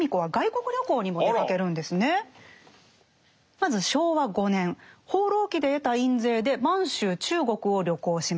まず昭和５年「放浪記」で得た印税で満州・中国を旅行します。